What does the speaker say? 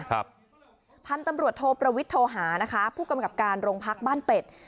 พันธุ์ตำรวจโทประวิทย์โทหานะคะผู้กำกับการโรงพักบ้านเป็ด